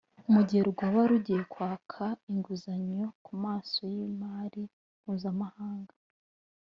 mu gihe rwaba rugiye kwaka inguzanyo ku masoko y’imari mpuzamahanga